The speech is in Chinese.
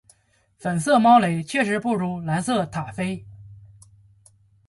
粉色猫雷确实不如蓝色塔菲